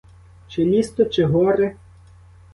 Чи ліс то, чи гори?